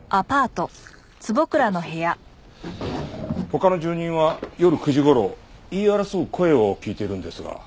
他の住人は夜９時頃言い争う声を聞いているんですが。